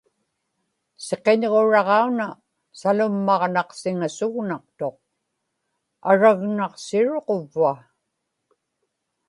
siqiñġuraġauna salummaġnaqsisugnaqtuq; aragnaqsiŋaruq uvva